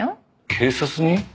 警察に？